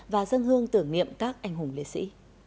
và dân hương tưởng niệm các anh hùng liệt sĩ